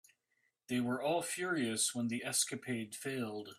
They were all furious when the escapade failed.